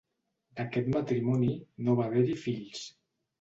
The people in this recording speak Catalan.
D'aquest matrimoni, no va haver-hi fills.